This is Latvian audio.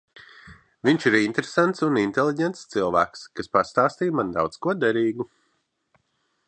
Viņš ir interesants un inteliģents cilvēks, kas pastāstīja man daudz ko derīgu.